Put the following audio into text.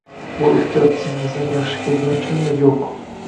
Bu ehtiyot singlisini yaxshi ko'rgani uchunmi? Yo'q.